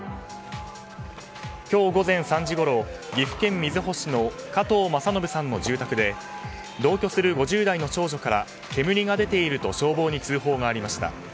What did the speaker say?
今日午前３時ごろ岐阜県瑞穂市の加藤政信さんの住宅で同居する５０代の長女から煙が出ていると消防に通報がありました。